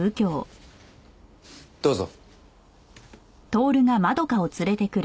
どうぞ。